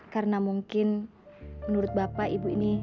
karena mungkin menurut bapak ibu ini